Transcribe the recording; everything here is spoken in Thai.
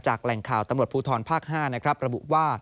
จากแหล่งข่าวตำรวจผู้ถอนภาค๕นะครับ